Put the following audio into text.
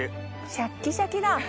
シャッキシャキだ。